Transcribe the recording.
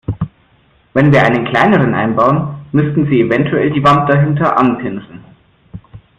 Wenn wir einen kleineren einbauen, müssten Sie eventuell die Wand dahinter anpinseln.